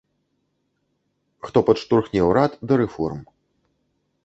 Хто падштурхне ўрад да рэформ.